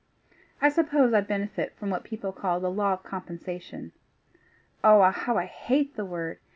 I suppose I benefit by what people call the law of compensation! How I hate the word!